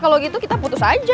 kalau gitu kita putus aja